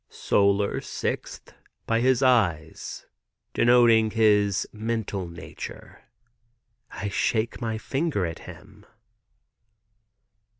"Solar, sixth, by his eyes, denoting his mental nature." I shake my finger at him.